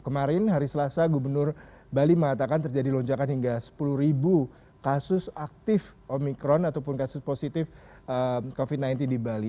kemarin hari selasa gubernur bali mengatakan terjadi lonjakan hingga sepuluh kasus aktif omikron ataupun kasus positif covid sembilan belas di bali